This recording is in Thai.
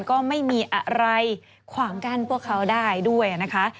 ก็ไม่มีอะไรขวางกั้นพวกเขาได้ด้วยนะคะ